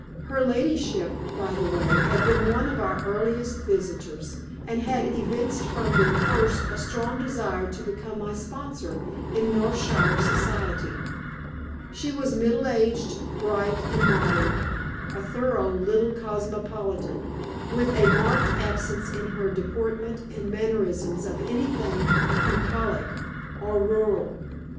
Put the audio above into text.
Her ladyship, by the way, had been one of our earliest visitors, and had evinced from the first a strong desire to become my sponsor in Northshire society. She was middle aged, bright, and modern a thorough little cosmopolitan, with a marked absence in her deportment and mannerisms of anything bucolic or rural.